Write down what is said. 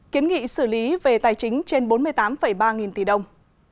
kiến nghị xử lý về tài chính trên bốn mươi tám ba nghìn tỷ đồng